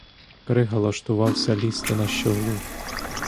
Крига лаштувався лізти на щоглу.